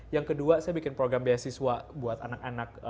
yang kedua saya bikin program beasiswa buat anak anak